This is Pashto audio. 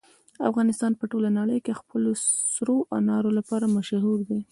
افغانستان په ټوله نړۍ کې د خپلو سرو انارو لپاره مشهور دی.